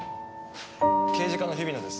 刑事課の日比野です。